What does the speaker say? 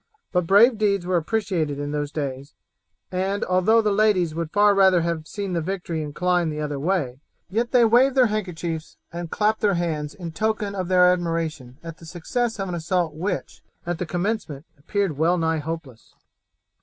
But brave deeds were appreciated in those days, and although the ladies would far rather have seen the victory incline the other way, yet they waved their handkerchiefs and clapped their hands in token of their admiration at the success of an assault which, at the commencement, appeared well nigh hopeless.